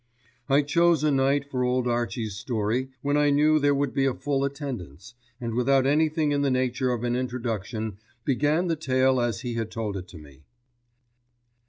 I chose a night for Old Archie's story when I knew there would be a full attendance, and without anything in the nature of an introduction began the tale as he had told it to me.